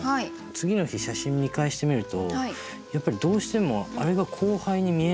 次の日写真見返してみるとやっぱりどうしてもあれが後輩に見えないというか。